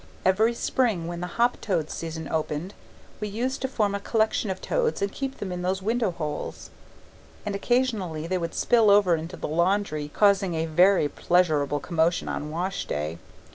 Every spring when the hoptoad season opened we used to form a collection of toads and keep them in those window holes; and occasionally they would spill over into the laundry, causing a very pleasurable commotion on wash days.